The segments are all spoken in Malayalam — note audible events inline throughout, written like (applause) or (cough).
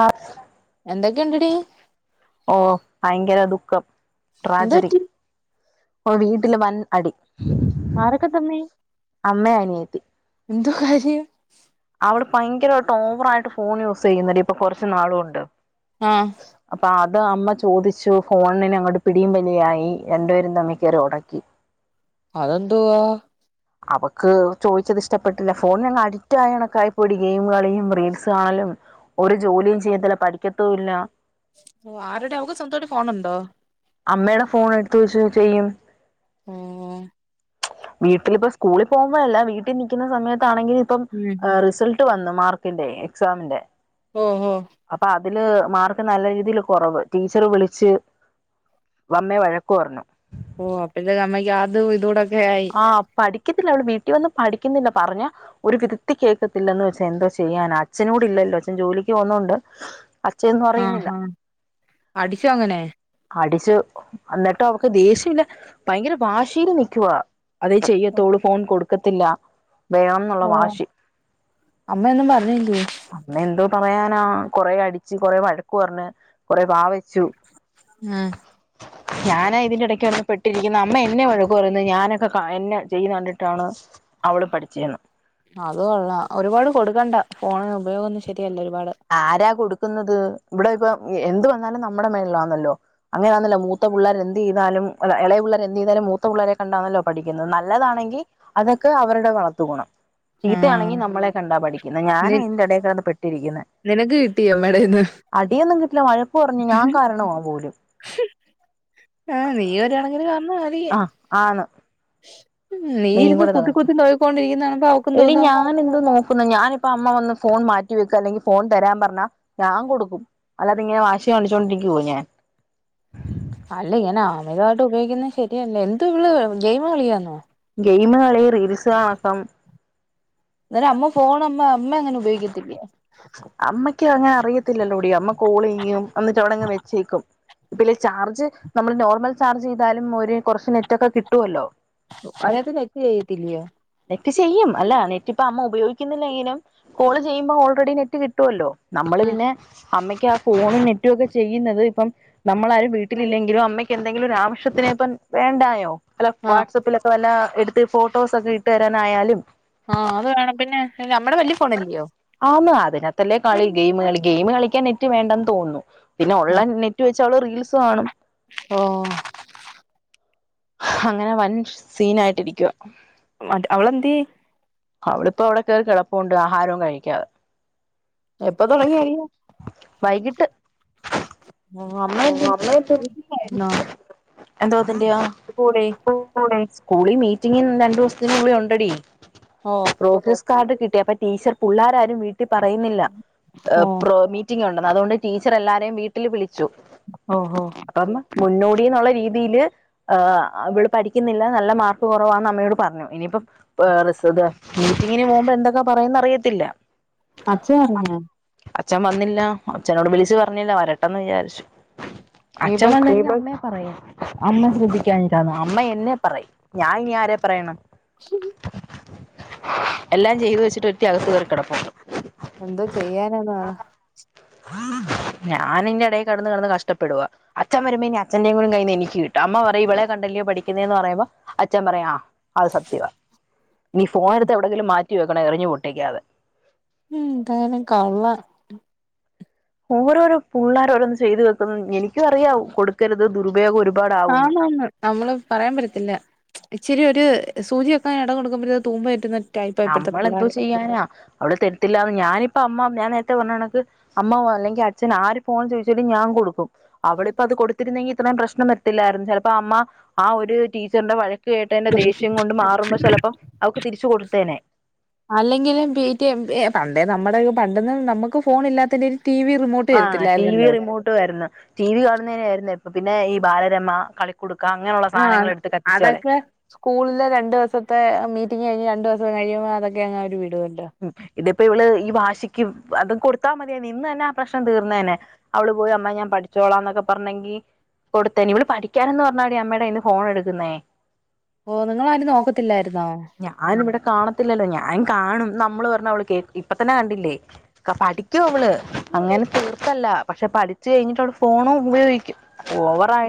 ആസ് എന്തൊക്കെയൂണ്ടെടീ ഓ ഭയങ്കര ദുഃഖം എന്ത് ട്രാജടീ പറ്റി അപ്പ വീട്ടില് വൻ അടി ആരൊക്കെ തമ്മി അമ്മയും അനിയത്തി എന്തോ കാര്യം അവിടെ ഭയങ്കരമായിട്ട് ഓവറ ആയിട്ട് ഫോൺ യൂസ് ചെയ്യുന്നണ്ട് ഇപ്പൊ കുറച്ച് നാളുകൊണ്ട് ആഹ് അപ്പൊ അത് അമ്മ ചോദിച്ചു ഫോണിന് അങ്ങോട്ട് പിടിയും വലിയ ആയി രണ്ടുപേരും തമ്മി കയറി ഉടക്കി അതെന്തുവാ അവക്ക് ചോദിച്ചത് ഇഷ്ടപ്പെട്ടില്ല ഫോൺ ഞങ്ങ അടി ക്റ്റായ കണക്കായിപ്പോയിടി ഗെയിം കളിയും റീൽസ് കാണലും ഒരു ജോലിയും ചെയ്യത്തില്ല പഠിക്കത്തുല്ല ഓ ആര്ടെ അവക്ക് സ്വന്തായിട്ട് ഫോണ് ണ്ടോ അമ്മയുടെ ഫോൺ എടുത്ത വെച്ച് ചെയ്യും ഓ വീട്ടിലിപ്പ സ്കൂളിൽ പോകുമ്പോഴല്ല വീട്ടിൽ നിൽക്കുന്ന സമയത്താണെങ്കിൽ ഇപ്പം ഉം റിസൾട്ട് വന്നു മാർക്കിന്റെ എക്സാമിന്റെ ഹോ ഹോ അപ്പൊ അതില് മാർക്ക് നല്ല രീതിയില് കുറവ് ടീച്ചറ് വിളിച്ച് വന്നേ വഴക് പറഞ്ഞു ഓ അപ്പത്തേക്ക് അമ്മയ്ക്ക് അതും ഇതോടൊക്കെ ആയി ആഹ് പഠിക്കത്തില്ല അവള് വീട്ടിൽ വന്ന് പഠിക്കുന്നില്ല പറഞ്ഞ ഒരു വിധ്ത്തി കേക്കത്തില്ലന്ന് വെച്ചാ എന്തോ ചെയ്യാന അച്ഛനോട് ഇല്ലല്ലോ അച്ഛൻ ജോലിക്ക് പൊന്നോൊണ്ട് അച്ചന്നുംഅറിയുന്നില്ല ആഹാ അടിച്ചോ അങ്ങനെ അടിച്ചു എന്നിട്ട് അവക്ക് ദേഷ്യമല്ല ഭയങ്കര വാഷിയില് നിക്കവാ അതെ ചെയ്യത്തൂ ഓള്ഫോൺ കൊടുക്കത്തില്ല വേണം എന്നുള്ള ഓ വാശി അമ്മയൊന്നും പറഞ്ഞില്ലേ അമ്മ എന്തോ പറയാനാ കൊറെ അടിച്ച് കൊറെേ വഴക്കു പറഞ്ഞ് കൊറെ വ വെച്ചു ആഹ് ഞാന ഇതിന്റെ ഇടയ്ക്ക് വന്ന പെട്ട ട്ടിരിക്കുന്ന അമ്മ എന്നെ വഴക്ക് പറയുന്നത് ഞാനൊക്കെ എന്നെ ചെയുന്ന കണ്ടിട്ടാണ് അവള് പഠിച്ചെന്ന് അത് കൊള്ള ഒരുപാട് കൊടുക്കണ്ട ഫോണി ഉപയോഗൊന്നും ശരിയല്ല ഒരുപാട് ആരാ കൊടുക്കുന്നത് ഇവിടെ ഇപ്പൊ എന്ത് വന്നാലും നമ്മുടെ മേലില വന്നല്ലോ അങ്ങനൊണല്ലോ മൂത്ത പിള്ളേർ എന്ത് ചെയ്താലും ഇള പിള്ളേർന്ത് ചെയതാലും മൂത്ത പിള്ളരെ കണ്ടാണല്ലോ പഠിക്കുന്നത് നല്ലതാണെങ്കിൽ അതൊക്കെ അവരുടെ വളർത്തു ഗുണം ആഹ് ചീത്തയാണെങ്കി നമ്മളെ കണ്ടാ പഠിക്കുന്ന ഞാനതിന്റെറെടക്കടന്ന് പെട്ടിരിക്കുന്നത് നിനക് കിട്ടിയൊ അമ്മേടേന്ന് അടിയൊന്നും കിട്ടില്ല വഴക്ക് പറഞ്ഞു ഞാൻ കാരണമാ പോലും ആഹ നീ ഒരായാണെങ്കി പറണ അതി ആ ആന്ന് നീ നീയും ഇരുന്ന് കൂടെ കുത്തി ത കുത്തി നോയിക്കൊണ്ടിരിക്കുന്നതാണ്ണപ്പൊ അവക്കും എടി തോന്നും ഞാൻ എന്ത് നോക്കുന്നു ഞാനിപ്പ അമ്മ വന്ന് ഫോൺ മാറ്റി വെക്ക അല്ലെങ്കിൽ ഫോൺ തരാൻ പറഞ്ഞ ഞാൻ കൊടുക്കും അല്ലാത ഇങ്ങനെ വാശി കാണിച്ചോണ്ടിരിക്കോ ഞാൻ അല്ല ഇങ്ങനെ ആമിതമായിട്ട് ഉപയോഗിക്കുന്നത് ശരിയല്ല എന്തു ഇവള് ഗെയിം കളിയാന്നോ ഗെയിമുകളി റീൽസ് ആക്കാം അന്നേ രം അമ്മ ഫോൺ അമ്മ അമ്മ അങ്ങനെ ഉപയോഗിക്കത്തില്ലേ അമ്മയ്ക്ക് അങ്ങനെ അറിയത്തില്ലല്ലോടി അമ്മ കോൾ ചെയ്യും വന്നിട്ട് അവിടെങ്ങ് വെച്ചേക്കും ഇപ്പെല്ലെ ചാർജ് നമ്മള് നോർമൽ ചാർജ് ചെയ്താലും ഒരു കൊറച്ച് നെറ്റ് ഒക്കെ കിട്ടുമല്ലോ അയിനകത് നെറ്റ് കയ്യത്തില്ല്യോ നെറ്റ് ചെയ്യും അല്ല നെറ്റ് ഇപ്പ അമ്മ ഉപയോഗിക്കുന്നില്ലെങ്കിലും കോള് ചെയ്യുമ്പോ ഓൾറെഡി നെറ്റ് കിട്ടുവല്ലോ നമ്മള് ഉം പിന്നെ അമ്മയ്ക്ക് ആ ഫോൺ നെറ്റൊക്കെ ചെയ്യുന്നത് ഇപ്പം നമ്മളാരും വീട്ടിലില്ലെങ്കിലും അമ്മയ്ക്ക് എന്തെങ്കിലും ഒരു ആവശ്യത്തിനെപ്പം വേണ്ടായോ അല്ല ആഹ് വാട്സ്ആപ്പിൽ ഇപ്പൊ വല്ല എടുത്ത് ഫോട്ടോസൊക്കെ ഇട്ട് തരാനായാലും ആഹ് അത് വേണം പിന്നെ അമ്മടെ വലിയ ഫോണല്ലയോ ആന്ന് അതിനകത്തല്ലേ കളി ഗെയിം കളി ഗെയിം കളിക്കാൻ നെറ്റ് റ്റ് വേണ്ടന്ന് തോന്നുന്നു പിന്നെ ഉള്ള നെറ്റ് വെച്ച അവള് റീൽസ് കാണും ഓഹ് അങ്ങനെ വൻ സീനായിട്ടിരിക്കുവ മറ്റ് അവളെന്ത്യേ അവളിപ്പോ അവടെ കേറി കെടപ്പുണ്ട് ആഹാരവും കഴിക്കാതെ എപ്പൊ തൊടങ്ങ്യ അടിയ വൈകിട്ട് ഓ അമ്മേന്തിര് ആഹ് എന്തോത്തിന്റയ കൂടെ കൂടെ സ്കൂളി മീറ്റിംഗ് രണ്ടുസ്ത്തിനുള്ളിലൊണ്ടെടി ഓഹ് പ്രോഗ്രസ് കാർഡ് കിട്ടി അപ്പൊ ടീച്ചർ പുള്ളാരാരും വീട്ടിൽ പറയുന്നില്ല ഓഹ് പ്രോ മീറ്റിംഗ് ഉണ്ടെന്ന് അതോണ്ട് ടീച്ചറെല്ലാരേം വീട്ടില് വിളിച്ചു ഓഹ് ഓഹ് അപ്പം മുന്നോടി ന്നുള്ള രീതില് ആ വള് പഠിക്കുന്നില്ല നല്ല മാർക്ക് കൊറവാന്ന് അമ്മയോട് പറഞ്ഞു ഇനിയിപ്പം ഏ റിസ ത് മീറ്റിങ്ങിന് പോകുമ്പോ എന്തൊക്കെ പറയും ന്നറിയത്തില്ല അച്ഛൻ അറിഞ്ഞോ അച്ഛൻ വന്നില്ല അച്ഛനോട് വിളിച്ച് പറഞ്ഞില്ല വരട്ടെന്ന് വിചാരിച്ചു ഇനിയിപ്പ അച്ഛൻ വന്ന് കഴിഞ്ഞാ അമ്മയെ പറയും അമ്മ ശ്രദ്ധിക്കാഞ്ഞിട്ടാ അമ്മ എന്നെ പറയും ഞാ ഇനി ആരെ പറയണം എല്ലാം ചെയ്തു വെച്ചിട്ട് ഒര്ത്തി അകത്തു കേറി കെടപ്പുണ്ട് എന്തോ ചെയ്യാനാ (unintelligible) ഞാനിന്റെ ടെ കെടന്ന് കെടന്ന് കഷ്ടപ്പെടുവാ അച്ഛൻ വരുമ്പോ ഇനി അച്ഛന്റെയും കൂടി കയ്യിന്നെനിക്ക് കിട്ടും അമ്മ പറയും ഇവളെ കണ്ടല്ലോ പഠി ക്കുന്നെന്ന് പറയുമ്പോ അച്ഛൻ പറയും ആ അത് സത്യവാ നി ഫോണെടുത്ത് എവിടെങ്കിലും മാ റ്റി വെക്കണം എറിഞ്ഞു പൊട്ടിക്കാതെ ഉം ന്താനും കള്ളം ഓരോരോ പുള്ളാര് ഓരോന്ന് ചെയ്തു വെക്ക്‌ന്നു എനിക്കും അറിയാം കൊടുക്കരുത് ദുരുപയോഗം ഒരു ആന്നാന്ന് നമ്മള് പറയാൻ പറ്റത്തില്ല ഇച്ചിരി ഒരു സൂചി വെക്കാൻ എടം കൊടുക്കുമ്പഴത്തേ തൂമ്പ ട്ട് നെ നമ്മളെന്തോ ചെയ്യാനാ അവൾ തരുത്തില്ലാന്ന് ഞാനിപ്പോ അമ്മ ഞാൻ നേർത്തെ പറഞ്ഞ കണക്ക് അമ്മ വാ അല്ലെങ്കി അച് ച്ഛൻ ആര് ഫോൺ ചോയ്ച്ചാലും ഞാൻ കൊടുക്കും അവളിപ്പത് കൊടുത്തിരുന്നെങ്കി ഇത്രയും പ്രശ്നം വരത്തില്ലാര്ന്നു ചെൽപ്പോ അമ്മ ആ ഒരു ടീച്ചറിന്റെ വഴക്ക് കേട്ടതിന്റെ ദേഷ്യം കൊണ്ട് മാറുമ്പോ ചെലപ്പം അവക്ക് തിരിച്ചു കൊടു (inaudible) അല്ലെങ്കിലും പിടി എ പണ്ടേ നമ്മുടെ പണ്ടെന്ന് നമ്മക്ക് ഫോൺല്ലാത്തിന്റെ ഒര് ടി വി റിമോട്ട് തരത്തില്ലാര്ന്നല്ലോ ട്ടു ആര്ന്നു ടി വി കാണുന്നയ്നാ യിരുന്നു ഇപ്പ പിന്നെ ഈ ബാലരമ കളി കുടുക്കാ അങ്ങനെയുള്ള സാനങ്ങൾ ആഹ് എടുത്ത് കത്തിച്ച് കളയും അതൊക്കെ സ്കൂളിലെ രണ്ട് ദിവസത്തെ മീറ്റിംഗ് കഴിഞ് രണ്ടു ദിവസം കഴിയുമ്പോ അതൊക്കങ്ങ് അവര് വിടുവല്ലോ ഉം ഇതിപ്പോ ഇവള് ഈ വാശിക്ക് അത് കൊടുത്താ മതിയാർന്ന് ഇന്ന് തന്നെ ആ പ്രശ്നം തീർന്നേനെ അവള് പോയി അമ്മ ഞാൻ പഠിച്ചോളാ ന്നൊക്കെ പർഞ്ഞെങ്കി കൊടുത്തേനെ ഇവള് പഠിക്കാൻന്ന് പർഞ്ഞാടി അമ്മേടെ കയ്യിന്ന് ഫോണെടുക്കുന്നേ ഓ നിങ്ങളാരും നോക്കത്തില്ലാര്ന്നോ ഞാനിവിടെ കാണത്തില്ലല്ലോ ഞാൻ കാണും നമ്മള് പർഞ്ഞ അവള് കേക്ക് ഇപ്പത്തന്നെ കണ്ടില്ലേ ക്ക പഠിക്കു അവള് അങ്ങനെ തീർത്തല്ല പക്ഷെ പഠിച്ചു കഴിഞ്ഞിട്ടവള് ഫോണും ഉപയോഗിക്കും അപ്പോ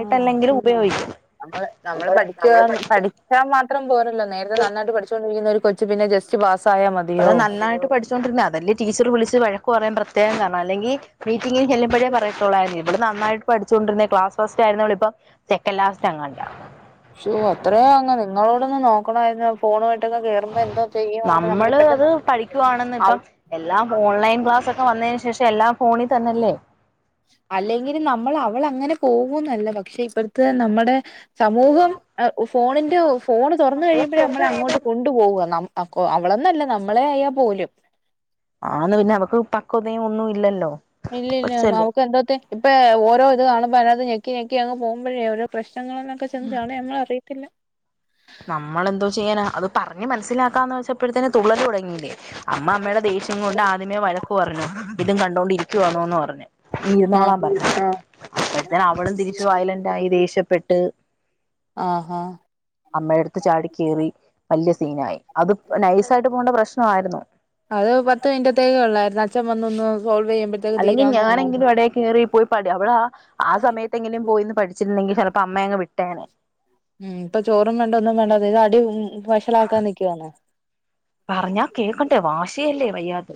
ആഹ് ഉപയോഗിക്കും നമ്മള് നമ്മള് പഠിക്കുക പഠിച്ചാൽ മാത്രം പോരല്ലോ നേരത്തെ നന്നായിട്ട് പഠിച്ചുകൊണ്ടിരിക്കുന്ന ഒരു കൊച്ച ച്ച് പിന്നെ ജസ്റ്റ് പാസായ മതി പ്പത് നന്നായിട്ട് പഠിച്ചുകൊണ്ടിരുന്ന. അതല്ലെ, ടീച്ചർ വിളിച്ച് വഴക്കു പറയാൻ പ്രത്യേക കാരണം. അല്ലെങ്കിൽ മീറ്റിങ്ങിൽ ചെല്ലുംമ്പഴേ പറയത്തുള്ളായിരുന്നു. ഇവൾ നന്നായിട്ട് പഠിച്ചുക്കൊണ്ടിരുന്നെ ക്ലാസ് ഫസ്റ്റ് ആയിരുന്നവളിപ്പം സെക്കൻഡ് ലാസ്റ്റ് അങ്ങണ്ട ഷോ അത്രയോ അങ് നിങ്ങളോടൊന്ന് നോക്കണമായിരുന്നു. ഫോണുമായിട്ടൊക്കെ കേറുമ്പോ എന്തോ ചെയ്യുവാന്ന് നമ്മുടെ നമ്മള് ഇപ്പത്തെ അത് പഠി ക്കുവാണെന്ന് ഇപ്പം എല്ലാം ഓൺലൈൻ ക്ലാസ്സക്കെ വന്നതിൻ ശേഷം എല്ലാം ഫോണിൽ തന്നെല്ലേ അല്ലെങ്കിൽ നമ്മൾ അവളങ്ങനെ പോകുന്നല്ല പക്ഷെ ഇപ്പടുത്തെ നമ്മുടെ സമൂഹം ഫോണിന്റെ ഫോണ് തുറന്നു കഴിയുമ്പോഴേ നമ്മള അങ്ങോട്ട് കൊണ്ടു പോവ അവളൊന്നല്ല നമ്മളെ ആയ പോലും ആന്ന് പിന്നെ അവക്ക് പക്ക്യതയം ഒന്നും ഇല്ലല്ലോ ഇല്ലല്ലാ കൊച്ചല്ലേ അവക്ക് എന്തൊത്തി ഇപ്പയാ ഓരോ ഇത് കാണുമ്പോ അയ്നത് നെകി ഞെക്കി പൊമ്പയെ പ്രശ്നങ്ങൾന്നൊക്കെ ചെന്ന് ചാടുമ്പോ നമ്മൾ അറിയത്തില്ല നമ്മളെന്തോ ചെയ്യാനാ അതു പറഞ്ഞു മനസ്സിലാക്കാംന്നുവെച്ചാപ്പഴത്തെന് തുള്ളലുതുടങ്ങിയില്ലേ അമ്മ അമ്മടെ ധി കൊണ്ട് ആദ്യമേ വഴക്കു പറഞ്ഞു ഇതും കണ്ടുകൊണ്ടിരിക്കുവാണോന്ന് പറഞ്ഞു ആ ഇരുന്നോളാം പറഞ്ഞ അപ്പഴത്ത അവളും തിരിച് വയലന്റായി ദേഷ്യപ്പെട്ട് ആഹാ അമ്മയടുത്ത് ചാടി കയറി വലിയ സീനായി അത് നൈസ ആയിട്ട് പോണ്ട പ്രശ്നമായിരുന്നു അത് പത്ത് മിനിത്തേക്ക ഉള്ളായിരുന്നു അച്ഛൻ വന്നൊന്ന് സോൾവ് ചെയ്യാൻ പറ്റി അല്ലെങ്കിൽ ഞാനെങ്കിലും ഇടൽ കയറി പോയി പ അവളവിടെ ആ സമയത്ത് എന്തെങ്കിലും പോയന്ന് പഠിച്ചു രുന്നെിൽ ചിലപ്പോ അമ്മ അങ്ങ് വിട്ടനെ ഉം ഇപ്പൊ ചോറും വേണ്ട ഒന്നും വേണ്ട അത ഇത് അടി വഷളാക്കാൻ നിൽക്കുവാന്നെ പറഞ്ഞാ കേൾക്കണ്ടേ വാശിയല്ലേ വയ്യാത്ത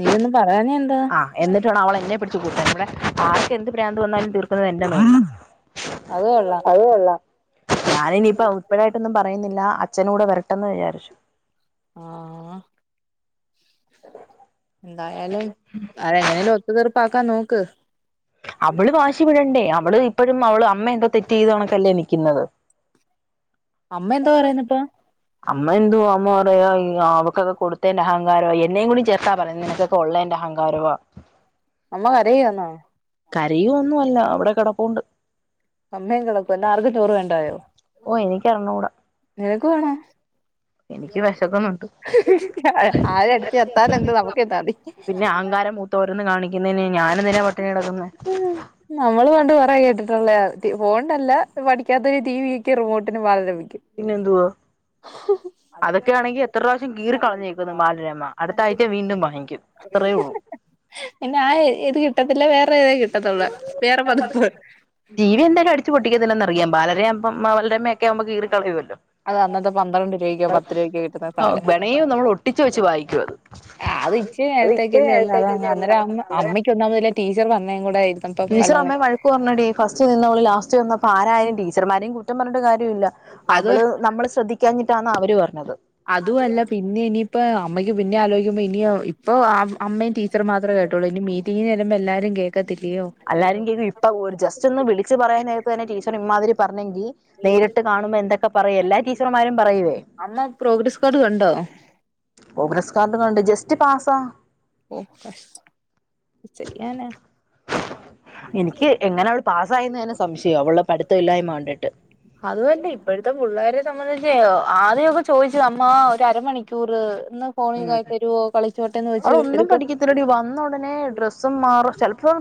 നീയൊന്ന് പറയാഞ്ഞെന്താ എന്നിട്ടാണ് അവളന്നെ പിടിച്ച് കൂട്ടാൻ ഇവിടെ ആർക്ക് എന്ത് പ്രാന്ത വന്നാലും തീർക്കുന്നത് എന്റെ മേത്ത അത് കൊള്ളാം അത്‌ കൊള്ളാം ഞാന ഇനിയിപ്പ ഉൾപ്പെടൊയിട്ടൊന്നും പറയുന്നില്ല അഛന കൂടെ വരട്ടെന്ന് വിചാരിച്ചു ആഹ് എന്തായാലും അ എങ്ങനെല്ലോ ഒത്ത തീർപ്പാക്കാൻ നോക്ക് അവള് വാശി വിടണ്ടേ അവള് ഇപ്പോഴും അവള് അമ്മ എന്തോ തെറ്റ് ചെയ്തോണക്കല്ലേ നിൽക്കുന്നത് അമ്മ എന്താ പറയുന്ന ഇപ്പ അമ്മ എന്തു അമ്മോ പറയാ അവക്കൊക്കെ കൊടുത്തേന്റെ അഹങ്കാരം എന്നേ കൂടി ചേർത്താ പറയ നിനക്ക് ഒള്ളേന്റെ അഹങ്കാരവാ അമ്മ കരയാന്നോ കരയൊന്നുല്ല അവിടെ കിടപ്പുണ്ട് അമ്മയും കിടക്കും ഇന്ന് ആർക്കും ചോറ് വേണ്ടായോ ഓഹ് എനിക്കറിഞ്ഞുട നിനക്ക് വേണോ എനിക്കും വിഷക്കുന്നുണ്ട് ആര അടിച്ചേർത്താൽ എന്ത് നമുക്ക് എന്താതി തോരോന്നു കാണിക്കുന്നയ്ന് ഞാൻ എന്തിനാ പട്ടിണിടക്കുന്ന നമ്മള് കണ്ട് പറ കേട്ടിട്ടുള്ള ഫോണിണ്ടല്ല പഠിക്കാത്തരു ടി വിക്കെ റിമോട്ടിന് വള ലഭിക്കും പിന്നെന്തുവാ ഉം' ' കീറി കളഞ്ഞേക്കുന്നു ബാലരമ അടുത്ത ആഴ്ച (unintelligible) വീണ്ടും വാങ്ങിക്കും അത്രേ ഉള്ളൂ പിന്നെ ആ ഇത് കിട്ടത്തില്ല വേറെ ഏതേ കിട്ടത്തുള്ള വേറെ പതിപ്പ ടീവി എന്തായാലും അടിച്ചു പൊട്ടി‌ക്കില്ലെന്ന് അറിയാം ബാലര ബാലരമ്മയക്കെ ആവുമ്പോ കീറി കളയുല്ലോ അത് അന്നത്തെ പന്ത്രണ്ട് രൂപക്കോ, പത്ത് രൂപക്കോ കിട്ടുന്ന ഓ സാനാ വേണേ നമ്മൾ ഒട്ടിച്ചു വെച്ച് വായിക്കും അത് അത് ഇച്ചിരി നേരത്തേക്കല്ലേ ഒള്ളു അത് അന്നേരം അമ്മ അമ്മയ്ക്ക് (unintelligible) ടീച്ചർ പറഞ്ഞേ കൂടെ ഇരുന്നപ്പം ടീച്ചർ വല്ലാതെ അമ്മയെ വഴക്ക് പറഞ്ഞെടി ഫസ്റ്റ് നിന്നോള് ലാസ്റ്റ് വന്നപ്പോ ആരായാലും ടീച്ചർമാരെയും കുറ്റം പറഞ്ഞിട്ട് കാര്യമില്ല അത് അവള് നമ്മള് ശ്രദ്ധിക്കാഞ്ഞിട്ടാണ് അവര് പർഞ്ഞത് അതും അത് അല്ല പിന്നെ ഇനിപ്പോ അമ്മയ്ക്ക് പിന്നെ ആലോചിക്കുമ്പോ ഇനി ഇപ്പൊ അമ്മയും ടീച്ചറും മാത്രേ കേട്ടുള്ളൂ ഇനി മീ റ്റ്ങ്ങ്ന് ചെല്ലുമ്പോ എല്ലാരും കേക്കത്തില്ലയോ അല്ലാരും കേം ഇപ്പ ജസ്റ്റ് ഒന്ന് വിളിച്ച് പറയാൻ നേരത്ത് തന്നെ ടീച്ചർ ഇമ്മാതിരി പറഞ്ഞെങ്കി നേരിട്ട് കാണുമ്പോ എന്തൊക്കെ പറയും എല്ലാ ടീച്ചർമാരും പറയുലെ? അമ്മ പ്രോഗ്രസ് കാർഡ് കണ്ടോ? പ്രോഗ്രസ്സ് കാർഡ് കണ്ട് ജസ്റ്റ് പാസാ ഓഹ് ചെയ്യാന എനിക്ക് എങ്ങനെ അവള് പാസായിന്ന് തന്നെ സംശയാ അവള് പഠിത്തമില്ലായ്മ കണ്ടിട്ട് അത്‌വല്ലെ ഇപ്പോഴത്തെ പുള്ളേരെ സംബന്ധിച്ച് ആദ്യക്കെ ചോയിച്ചു അമ്മ ഒരു അരമണി ക്കൂറ് ഒന്ന് ഫോണിൽ ഉം ക തരുവോ കളിച്ചോട്ടേന്ന് ചോയിച്ച് തരടി വന്ന ഉടനെ ഡ്രസ്സും മാറും ചെൽപ്പോ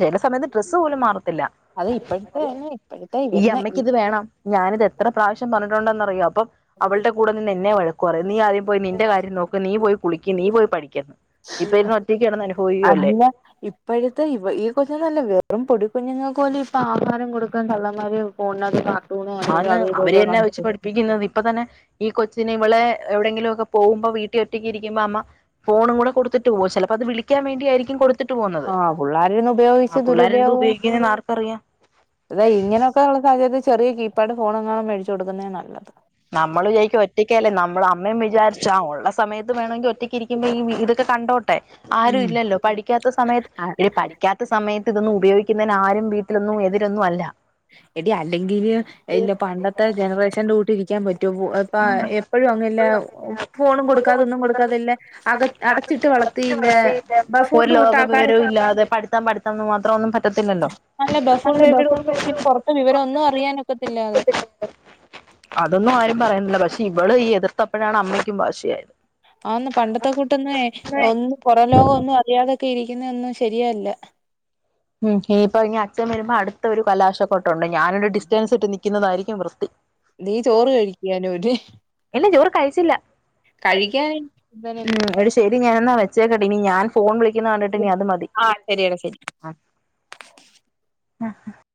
ചെല സമയത്ത് ഡ്രസ്സ് പോലും മാറത്തില്ല അത് ഇപ്പോഴത്തെ അല്ല ഇപ്പോഴത്തെ ഈ ഇവരുന്ന അമ്മക്ക് ഇത് വേണം ഞാനിത് എത്ര പ്രാവശ്യം പറഞ്ഞിട്ടുണ്ടെന്നറിയോ അപ്പം അവൾടെ കൂടെ നിന്ന് എന്നെ വഴക്കു പറയും നീ ആദ്യം പോയി നിന്റെ കാര്യം നോക്ക് നീ പോയി കുളിക്കി നീ പോയി പഠിക്കന്ന് ഇപ്പ ഇരുന്ന് ഒറ്റയ്ക്ക് കിടന്ന് അനുഭവിക്കുല്ലേ ഇപ്പൊഴത്തെ ഇവ ഈ കൊച്ചുങ്ങളല്ല വെറും പൊടി കുഞ്ഞുങ്ങൾക്ക് പോലും ഇപ്പൊ ആഹാരം കൊടുക്കാൻ തള്ളമാര് (unintelligible) ആന്ന് അതും ഇതൊക്കെ അവര്ന്നെ കാണിച്ചു വെച്ച് കൊടുക്കും പഠിപ്പിക്കുന്നത് ഇപ്പ തന്നെ ഈ കൊച്ചിന് ഇവളെ എവിടെങ്കിലും ഒക്കെ പോവുമ്പോ വീട്ടിൽ ഒറ്റക്കിരിക്കുമ്പോ അമ്മ ഫോണും കൂടെ കൊടുത്തിട്ട് പോവും ചിലപ്പോ അത് വിളിക്കാൻ വേണ്ടി ആയിരിക്കും കൊടു ആഹ് പുള്ളാരിന്ന് ഉപയോഗിച്ച് പിള്ളേരെന്ത് ദുരുപയോഗ ഉപയോഗിക്കുന്നേന്ന് ആർക്കറിയാം അതാ ഇങ്ങനെ പ്പള്ള സാഹചര്യത്തിൽ ചെറിയ കീ പാഡ് ഫോണെങ്ങാനും മേടിച്ചു കൊടുക്കുന്നതാ നല്ലത് നമ്മൾ വിചായിക്കും ഒറ്റയ്ക്കല്ലേ നമ്മള് അമ്മയും വിചാരിച്ചാ ഉള്ള സമയത്ത് വേണമെങ്കിൽ ഒറ്റയ്ക്ക് ഇരിക്കുമ്പോ ഈ ഇതൊക്കെ കണ്ടോ ട്ടെ ആരും ഉം ഇല്ലല്ലോ പഠിക്കാത്ത സമയത്ത് (unintelligible) ക്കാത്ത സമയത്ത് ഇതൊന്നും ഉപയോഗിക്കുന്നന് ആരും വീട്ടിലൊന്നും എതിരൊന്നും അല്ല എടി അല്ലെങ്കില് ഇല്ല പണ്ടത്തെ ജനറേഷന്റെ കൂട്ടി ഇരി ക്കാൻ പറ്റൊ ഇപ്പ എപ്പഴും അങ്ങല്ല ഫോണ് കൊടുക്കാത ഒന്നും കൊടുക്കാതല്ല അക അടച്ചിട്ട് വളർത്തിയില്ല ബഫൊണ്ട് കൂട്ടാക്കാൻ ല്ലാതെ പഠിത്തം പഠിത്തം മാത്രം ഒന്നും പറ്റത്തില്ലല്ലോ നല്ല ബഫൂൺ ബേബിയുടെ കൂട്ട് കൊച്ചിന് (unintelligible) പുറത്തെ വിവരം ഒന്നും അറിയാനൊക്കത്തില്ല അത് അതൊന്നും ആരും പറയുന്നില്ല പക്ഷെ ഇവള് ഈ എതിർത്തപ്പോഴാണ് അമ്മയ്ക്കും വാഷിയായത് ആന്ന് പണ്ടത്തെ കൂട്ടൊന്ന് ഒന്നും പുറം ലോകം ഒന്നും അറിയാതൊക്കെ ഇരിക്കുന്ന ഒന്നും ശരിയല്ല ഉം ഇപ്പൊ ഇനി അച്ഛൻ വരുമ്പോ അടുത്ത ഒരു ബലാശക്കോട്ടുണ്ട് ഞാനൊരു ഡിസ്റ്റൻസ് ഇട്ട് നിക്കുന്നതായിരിക്കും വൃത്തി നീ ചോറ് കഴിക്കാനോര് ഇല്ല ചോറ് കഴിച്ചില്ല ഉം എടി ശരി ഞാനന്നാ വെച്ചേക്കടി ഇനി ഞാൻ ഫോൺ വിളിക്കുന്ന കണ്ടിട്ട് ഇനി അത് മതി ആ ശരിയടാ ശരി ആഹ്